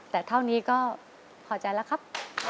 แต่เท่านี้ก็พอใจแล้วครับ